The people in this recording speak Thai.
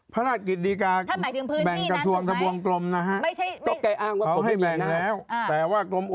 พระราชกฤตฬิกาแบ่งกระทรวงทหัวกรมนะฮะ